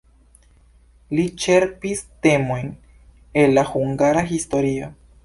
Li ĉerpis temojn el la hungara historio.